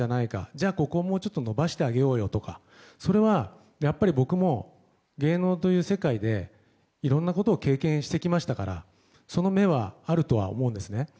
じゃあ、ここはもうちょっと伸ばしてあげようとかそれは僕も芸能という世界でいろんなことを経験してきましたからその目はあるとは思うんですね。